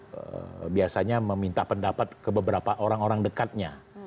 saya biasanya meminta pendapat ke beberapa orang orang dekatnya